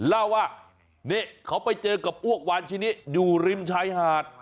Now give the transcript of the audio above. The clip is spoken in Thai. เล่าว่านี่เขาไปเจอกับอ้วกวานชนิดอยู่ริมชายหาด